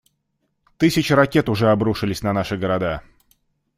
Тысячи ракет уже обрушились на наши города.